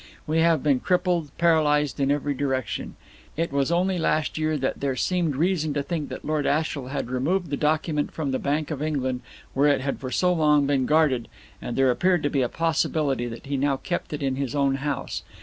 We have been crippled, paralysed in every direction. It was only last year that there seemed reason to think that Lord Ashiel had removed the document from the Bank of England where it had for so long been guarded, and there appeared to be a possibility that he now kept it in his own house.